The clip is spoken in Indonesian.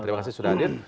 terima kasih sudah hadir